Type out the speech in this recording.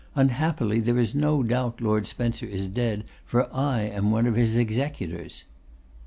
Unhappily, there is no doubt Lord Spencer is dead, for I am one of his executors.